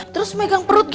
terus megang perut